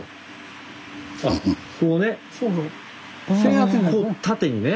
あっこうね？